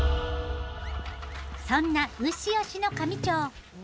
そんな牛推しの香美町。